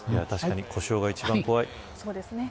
故障が一番怖い。